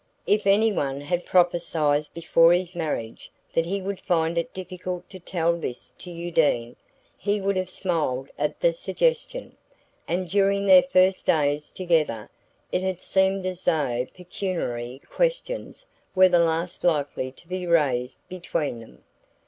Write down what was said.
If any one had prophesied before his marriage that he would find it difficult to tell this to Undine he would have smiled at the suggestion; and during their first days together it had seemed as though pecuniary questions were the last likely to be raised between them.